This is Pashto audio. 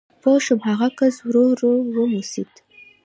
پوه شوم، هغه کس ورو ورو وموسېد.